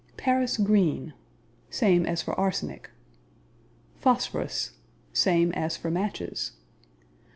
Paris Green Same as for arsenic. Phosphorus Same as for matches.